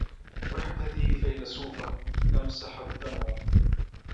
وحدتي فيلسوفة تمسح الدمع